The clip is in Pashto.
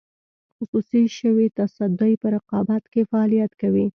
خصوصي شوې تصدۍ په رقابت کې فعالیت کوي.